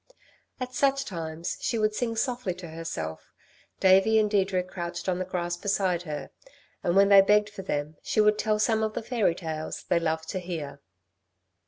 At such times she would sing softly to herself, Davey and Deirdre crouched on the grass beside her, and, when they begged for them, she would tell some of the fairy tales they loved to hear.